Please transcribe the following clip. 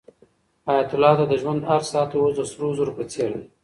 حیات الله ته د ژوند هر ساعت اوس د سرو زرو په څېر دی.